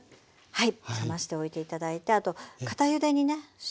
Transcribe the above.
はい。